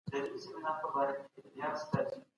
تاسو کله خپلي زده کړې پای ته ورسولي؟